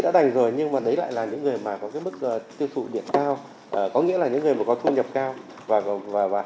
rất tiêu thụ điện cao có nghĩa là những người có thu nhập cao và họ lại có lợi trong việc sử dụng cái một giá này hơn so với việc sử dụng cái biểu giá bậc thang năm bậc